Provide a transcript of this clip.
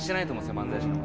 漫才師の方。